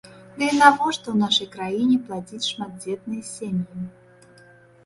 Ды і навошта ў нашай краіне пладзіць шматдзетныя сем'і?